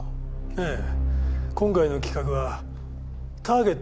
ええ。